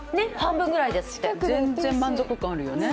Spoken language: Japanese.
全然満足感もあるよね。